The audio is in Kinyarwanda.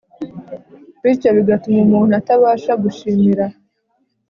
Bityo bigatuma umuntu atabasha gushimira